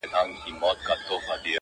چي له شا څخه یې خلاص د اوږو بار کړ!.